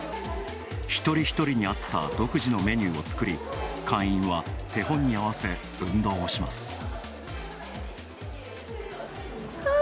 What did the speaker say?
一人一人に合った独自のメニューを作り会員は手本に合わせ、運動をします。